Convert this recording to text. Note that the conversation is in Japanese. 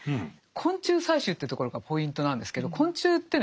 昆虫採集というところがポイントなんですけど昆虫ってね